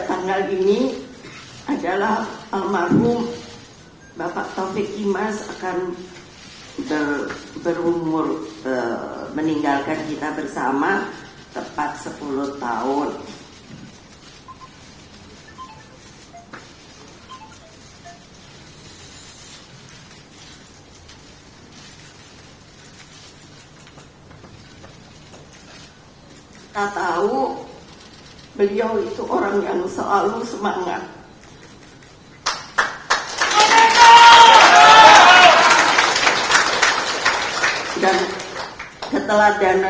terima kasih atas rencana